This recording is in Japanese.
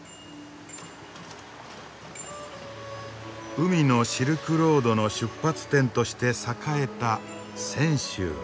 「海のシルクロード」の出発点として栄えた泉州。